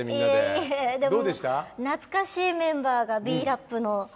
いえ、懐かしいメンバーが「Ｂ−ＲＡＰ」の。